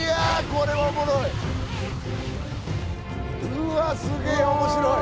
うわっすげえ面白い。